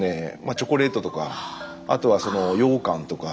チョコレートとかあとは羊羹とか。